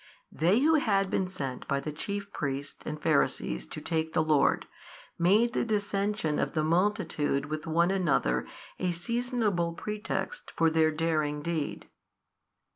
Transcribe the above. They who had been sent by the chief priests and Pharisees to take the Lord, made the dissension of the multitude with one another a seasonable pretext for their daring deed.